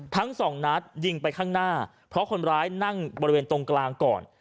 ทั้งสองนัดยิงไปข้างหน้าเพราะคนร้ายนั่งบริเวณตรงกลางก่อน